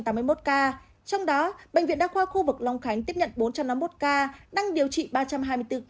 trong đó bệnh viện đa khoa khu vực long khánh tiếp nhận bốn trăm năm mươi một ca đang điều trị ba trăm hai mươi bốn ca